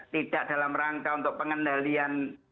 tidak dalam rangka untuk pengendalian